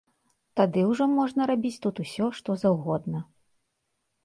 Тады ўжо можна рабіць тут усё, што заўгодна.